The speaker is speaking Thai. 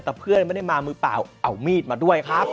แต่เพื่อนไม่ได้มามือเปล่าเอามีดมาด้วยครับ